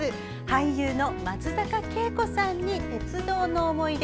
俳優の松坂慶子さんに鉄道の思い出